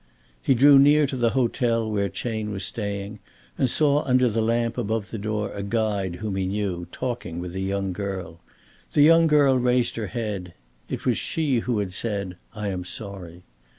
He drew near to the hotel where Chayne was staying and saw under the lamp above the door a guide whom he knew talking with a young girl. The young girl raised her head. It was she who had said, "I am sorry."